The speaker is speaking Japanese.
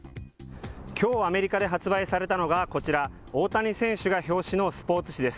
きょうアメリカで発売されたのがこちら、大谷選手が表紙のスポーツ誌です。